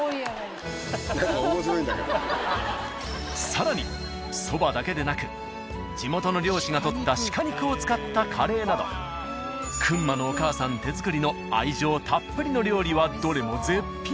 更にそばだけでなく地元の猟師が取った鹿肉を使ったカレーなどくんまのお母さん手作りの愛情たっぷりの料理はどれも絶品。